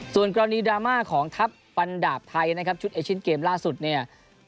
ส่วนกรณีดราม่าของทัพฟันดาบไทยนะครับชุดเอเชียนเกมล่าสุดเนี่ย